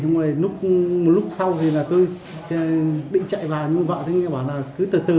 một lúc sau tôi định chạy vào nhưng vợ tôi bảo là cứ từ từ